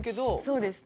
そうです。